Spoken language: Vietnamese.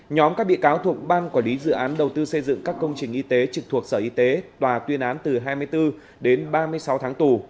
nhóm các bị cáo thuộc ban quản lý dự án đầu tư xây dựng các công trình y tế trực thuộc sở y tế tòa tuyên án từ hai mươi bốn đến ba mươi sáu tháng tù